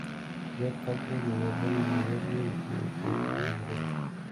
Jarl Haakon gobernó desde Bergen el occidente de Noruega.